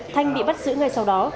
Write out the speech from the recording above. thanh bị bắt giữ ngay sau đó